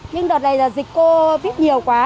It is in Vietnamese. nhưng đợt này là dịch covid nhiều quá